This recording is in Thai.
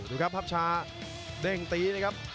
ดูครับภาพชาเด้งตีนะครับ